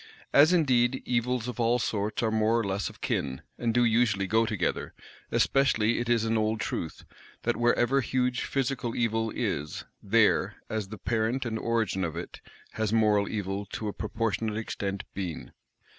As indeed, evils of all sorts are more or less of kin, and do usually go together: especially it is an old truth, that wherever huge physical evil is, there, as the parent and origin of it, has moral evil to a proportionate extent been.